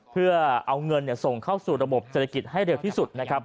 เพื่อเอาเงินส่งเข้าสู่ระบบเศรษฐกิจให้เร็วที่สุดนะครับ